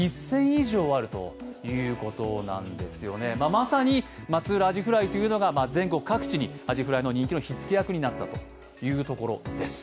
まさに松浦アジフライというのが全国各地にアジフライの人気の火付け役になったというところです。